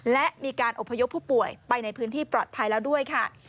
และมีการอบพยพผู้ป่วยไปในพื้นที่ปลอดภัยแล้วด้วยค่ะ